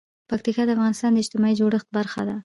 پکتیا د افغانستان د اجتماعي جوړښت برخه ده.